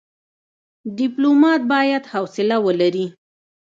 ډيپلومات بايد حوصله ولري.